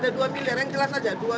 ada dua miliar yang jelas saja